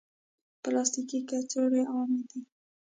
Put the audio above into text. پلاستيکي کڅوړې عامې دي.